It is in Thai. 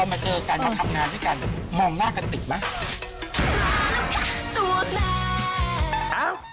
มาเจอกันมาทำงานด้วยกันมองหน้ากันติดไหม